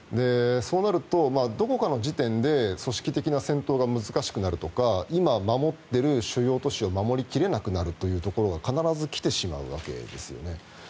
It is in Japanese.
そうなるとどこかの時点で組織的な戦闘が難しくなるとか今、守っている主要都市を守り切れなくなるということが必ず来てしまうわけですね。